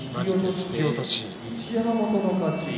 引き落とし。